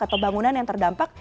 atau bangunan yang terdampak